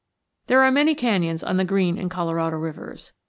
There are many canyons on the Green and Colorado Rivers.